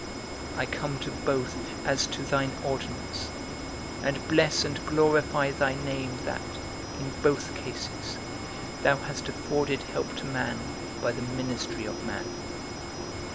I come to both as to thine ordinance, and bless and glorify thy name that, in both cases, thou hast afforded help to man by the ministry of man.